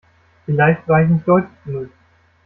Vielleicht war ich nicht deutlich genug.